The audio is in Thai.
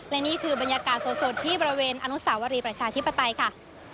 และนี่คือบรรยากาศสดที่บริเวณอนุสาวรีประชาธิปไตยค่ะ